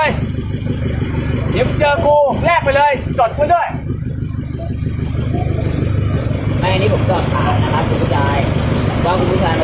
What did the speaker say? เดี๋ยวพูดเจอกูแรกไปเลยจอดกูด้วย